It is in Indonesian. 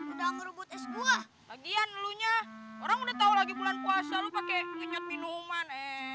udah ngerebut es gua lagi anelunya orang udah tahu lagi bulan puasa pakai minuman